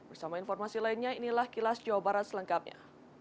bersama informasi lainnya inilah kilas jawa barat selengkapnya